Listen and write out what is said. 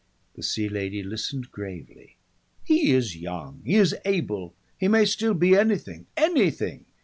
The Sea Lady listened gravely. "He is young, he is able, he may still be anything anything.